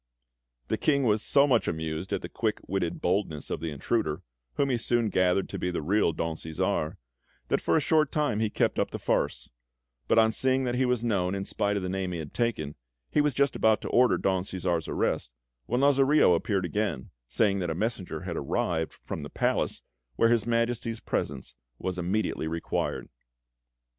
The King was so much amused at the quick witted boldness of the intruder (whom he soon gathered to be the real Don Cæsar), that for a short time he kept up the farce; but on seeing that he was known in spite of the name he had taken, he was just about to order Don Cæsar's arrest, when Lazarillo appeared again, saying that a messenger had arrived from the palace, where His Majesty's presence was immediately required.